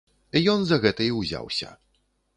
Ён за гэта і ўзяўся.